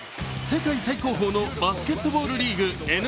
世界最高峰のバスケットボールリーグＮＢＡ。